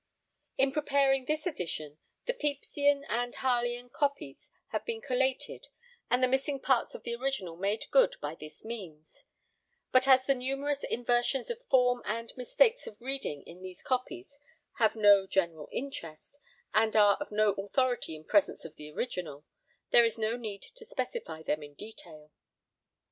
In preparing this edition, the Pepysian and Harleian copies have been collated and the missing parts of the original made good by this means; but as the numerous inversions of form and mistakes of reading in these copies have no general interest and are of no authority in presence of the original there is no need to specify them in detail.